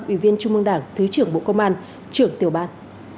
ủy viên trung mương đảng thứ trưởng bộ công an trưởng tiểu ban